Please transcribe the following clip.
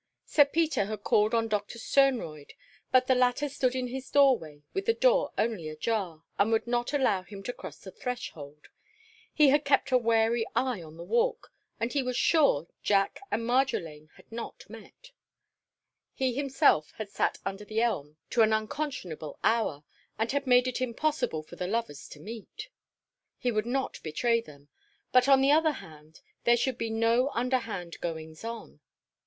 Sir Peter had called on Doctor Sternroyd, but the latter stood in his doorway with the door only ajar, and would not allow him to cross the threshold. He had kept a wary eye on the Walk and he was sure Jack and Marjolaine had not met. He himself had sat under the elm to an unconscionable hour, and had made it impossible for the lovers to meet. He would not betray them, but on the other hand there should be no underhand goings on.